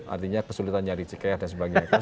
artinya kesulitan cari cikyas dan sebagainya